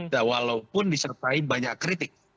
dan walaupun disertai banyak kritik